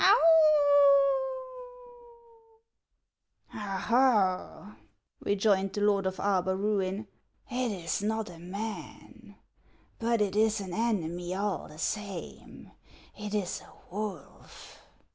" Oh, ho !" rejoined the lord of Arbar ruin ;" it is not a man. But it is an enemy all the same ; it is a wolf."